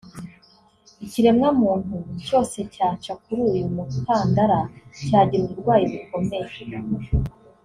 Ikiremwa muntu cyose cyaca kuri uyu mukandara cyagira uburwayi bukomeye